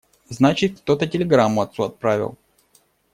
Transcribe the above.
Значит, кто-то телеграмму отцу отправил.